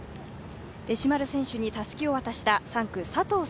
弟子丸選手にたすきを渡した３区、佐藤早